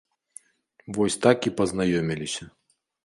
Вось так і пазнаёміліся.